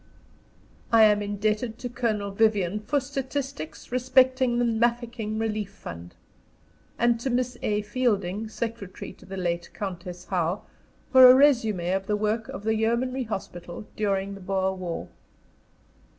I am indebted to Colonel Vyvyan for statistics respecting the Mafeking Relief Fund; and to Miss A. Fielding, secretary to the late Countess Howe, for a résumé of the work of the Yeomanry Hospital during the Boer War.